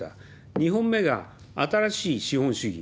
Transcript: ２本目が新しい資本主義。